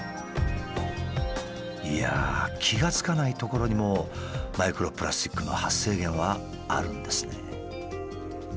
いやあ気が付かないところにもマイクロプラスチックの発生源はあるんですね。